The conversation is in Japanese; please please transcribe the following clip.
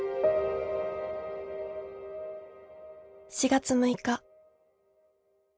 「４月６日。